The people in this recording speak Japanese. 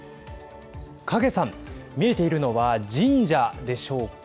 影さん、見えているのは神社でしょうか。